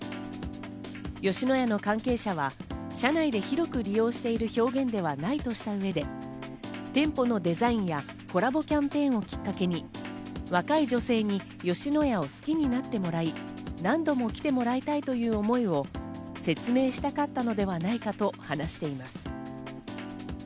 吉野家の関係者は、社内で広く利用している表現ではないとした上で、店舗のデザインやコラボキャンペーンをきっかけに若い女性に吉野家を好きになってもらい、何度も来てもらいたいという思いを説明したかったのではないかと話しています。